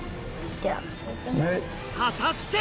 果たして？